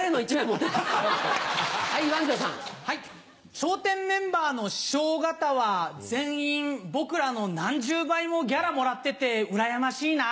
笑点メンバーの師匠方は全員僕らの何十倍もギャラもらっててうらやましいな。